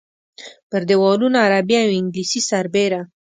پر دیوالونو عربي او انګلیسي سربېره.